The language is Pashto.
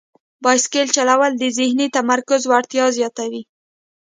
بایسکل چلول د ذهني تمرکز وړتیا زیاتوي.